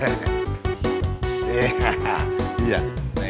iya sexy ya satu satu satu